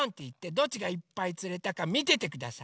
どっちがいっぱいつれたかみててください。